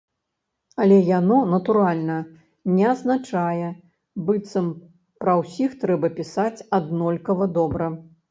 Але яно, натуральна, не азначае, быццам пра ўсіх трэба пісаць аднолькава добра.